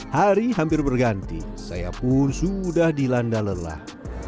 hari hampir berganti saya pun sudah dilanda lelah